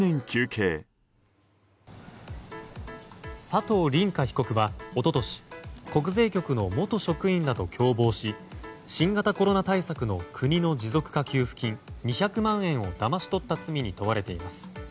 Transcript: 佐藤凜果被告は一昨年国税局の元職員らと共謀し新型コロナ対策の国の持続化給付金２００万円をだまし取った罪に問われています。